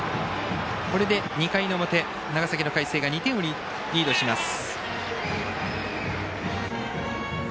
これで２回の表、長崎の海星が２点をリードします。